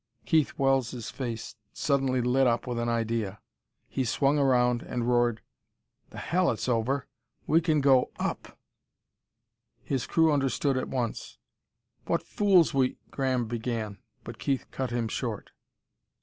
Keith Wells' face suddenly lit up with an idea. He swung around and roared: "The hell it's over! We can go up!" His crew understood at once. "What fools we " Graham began, but Keith cut him short.